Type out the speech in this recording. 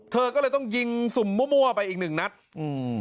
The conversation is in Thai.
เธอก็เลยต้องยิงสุ่มมั่วไปอีกหนึ่งนัดอืม